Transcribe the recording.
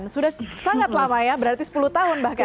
dua ribu sembilan sudah sangat lama ya berarti sepuluh tahun bahkan